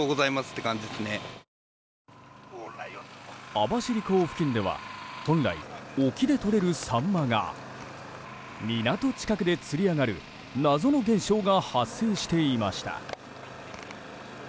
網走港付近では本来、沖でとれるサンマが港近くで釣り上がる謎の現象が発生していました。